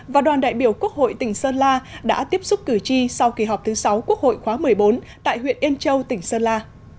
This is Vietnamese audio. và đoàn đại biểu quốc hội tỉnh sơn la đã tiếp xúc cử tri sau kỳ họp thứ sáu quốc hội khóa một mươi bốn tại huyện yên châu tỉnh sơn la